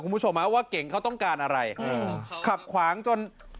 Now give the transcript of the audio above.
คุณผู้ชมฮะว่าเก่งเขาต้องการอะไรเออขับขวางจน